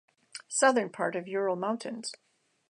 Southern part of Ural Mountains.